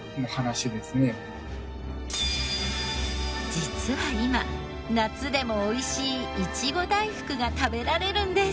実は今夏でもおいしいいちご大福が食べられるんです！